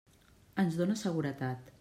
Ens dóna seguretat.